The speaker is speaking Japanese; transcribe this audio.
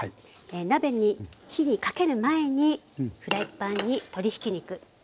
鍋に火にかける前にフライパンに鶏ひき肉。